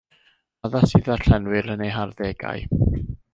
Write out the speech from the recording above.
Addas i ddarllenwyr yn eu harddegau.